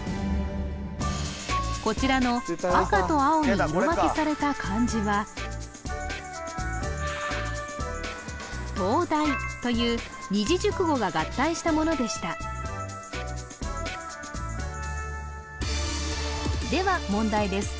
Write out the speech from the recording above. こちらの赤と青に色分けされた漢字は「東大」という二字熟語が合体したものでしたでは問題です